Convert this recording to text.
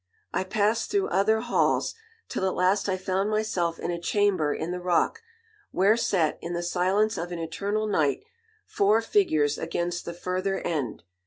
I passed through other halls, till at last I found myself in a chamber in the rock, where sat, in the silence of an eternal night, four figures against the further end.